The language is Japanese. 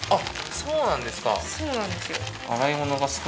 そうなんですよ。